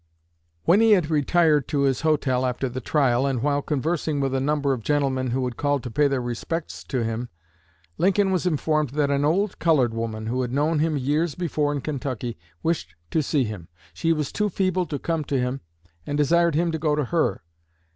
"When he had retired to his hotel after the trial, and while conversing with a number of gentlemen who had called to pay their respects to him, Lincoln was informed that an old colored woman, who had known him years before in Kentucky, wished to see him. She was too feeble to come to him, and desired him to go to her.